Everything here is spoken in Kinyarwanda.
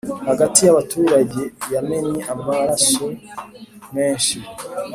hagati y’abaturage yamennye amaraso menshi